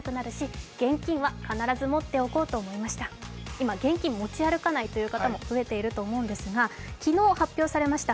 今、現金を持ち歩かないという方も増えていると思いますが昨日発表されました